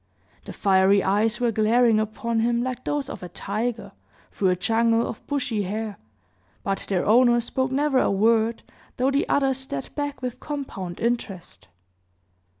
The fiery eyes were glaring upon him like those of a tiger, through a jungle of bushy hair, but their owner spoke never a word, though the other stared back with compound interest.